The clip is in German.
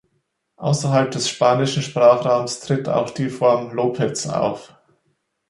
Außerhalb des spanischen Sprachraums tritt auch die Form Lopez auf.